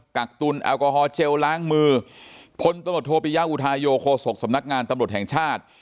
กักตุลแอลกอฮอลเจลล้างมือพลตำรวจโทปิยะอุทาโยโคศกสำนักงานตำรวจแห่งชาติ